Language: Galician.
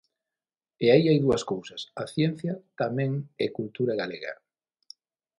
E aí hai dúas cousas: a ciencia tamén é cultura galega.